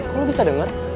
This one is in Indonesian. kok lu bisa denger